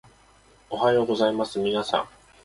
おはようございますみなさん